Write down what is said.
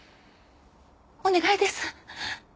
お願いです。